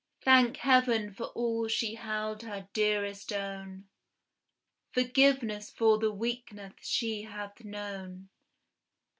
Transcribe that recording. Thank Heaven for all she held her dearest own! Forgiveness for the weakness she hath known!